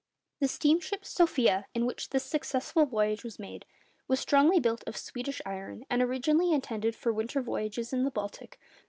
The steamship 'Sofia,' in which this successful voyage was made, was strongly built of Swedish iron, and originally intended for winter voyages in the Baltic.